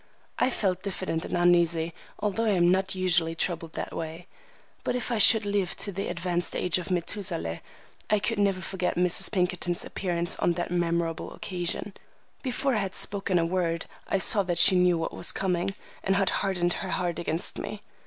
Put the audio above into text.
I felt diffident and uneasy, although I am not usually troubled that way. But if I should live to the advanced age of Methusaleh, I could never forget Mrs. Pinkerton's appearance on that memorable occasion. Before I had spoken a word I saw that she knew what was coming, and had hardened her heart against me.